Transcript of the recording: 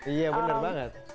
iya bener banget